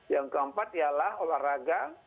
yang keempat ialah olahraga